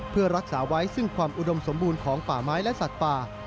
เพื่อรักษาไว้ซึ่งความอุดมสมบูรณ์ของป่าไม้และสัตว์ป่า